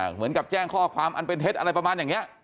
เหมือนกับแจ้งข้อความอันเป็นเท็จอะไรประมาณอย่างนี้